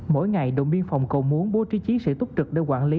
mỗi ngày đồng biên phòng cầu muốn bố trí chí sẽ túc trực để quản lý